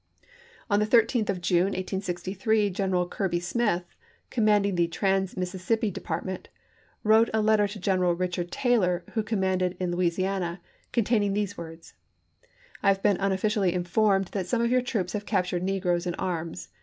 On the 13th of June, 1863, General Kirby Smith, commanding the trans Mississippi Depart 454 ABRAHAM LINCOLN chap. xvi. ment, wrote a letter to General Richard Taylor, who commanded in Louisiana, containing these words: "I have been unofficially informed that some of your troops have captured negroes in arms.